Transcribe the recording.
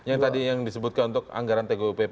yang tadi yang disebutkan untuk anggaran tgupp